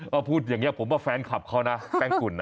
ก็พูดอย่างนี้ผมว่าแฟนคลับเขานะแป้งฝุ่นนะ